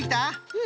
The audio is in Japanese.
うん。